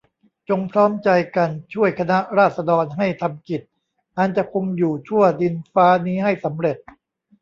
จงพร้อมใจกันช่วยคณะราษฎรให้ทำกิจอันจะคงอยู่ชั่วดินฟ้านี้ให้สำเร็จ